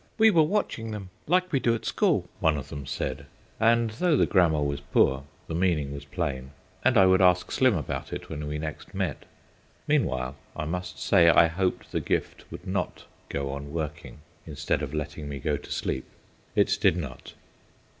"We were watching them like we do at school," one of them said, and though the grammar was poor, the meaning was plain, and I would ask Slim about it when we next met. Meanwhile I must say I hoped the gift would not go on working instead of letting me go to sleep. It did not.